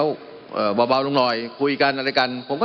มันมีมาต่อเนื่องมีเหตุการณ์ที่ไม่เคยเกิดขึ้น